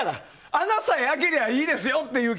穴さえ開けりゃいいですよって。